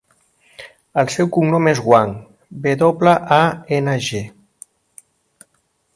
El seu cognom és Wang: ve doble, a, ena, ge.